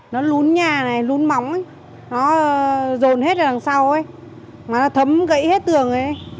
nó lún nhà này lún bóng nó rồn hết ở đằng sau mà nó thấm gãy hết tường ấy